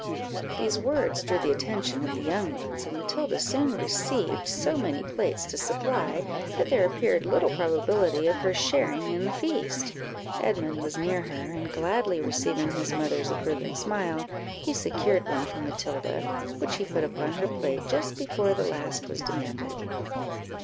These words drew the attention of the young ones, and Matilda soon received so many plates to supply, that there appeared little probability of her sharing in the feast. Edmund was near her, and gladly receiving his mother's approving smile, he secured one for Matilda, which he put upon her plate just before the last was demanded.